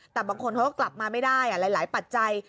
แต่บางคนเขาก็กลับมาไม่ได้หลายปัจจัย